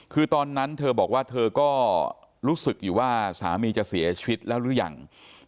คือตอนนั้นเธอบอกว่าเธอก็รู้สึกอยู่ว่าสามีจะเสียชีวิตแล้วหรือยัง